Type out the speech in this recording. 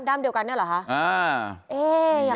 ด้ามเดียวกันเนี่ยเหรอครับ